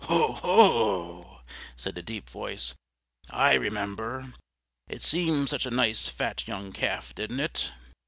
"Ho, ho, ho!" said a deep voice. "I remember! It seemed such a nice fat young calf, didn't it?"